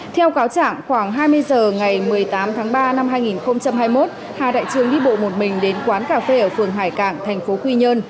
theo cáo trạng khoảng hai mươi h ngày một mươi tám tháng ba năm hai nghìn hai mươi một hà đại trường đi bộ một mình đến quán cà phê ở phường hải cảng thành phố quy nhơn